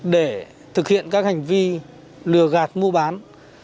để thực hiện các hành vi lừa gạt mua bán